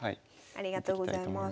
ありがとうございます。